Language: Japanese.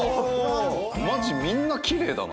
マジみんなキレイだな！